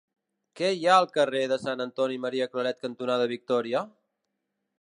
Què hi ha al carrer Sant Antoni Maria Claret cantonada Victòria?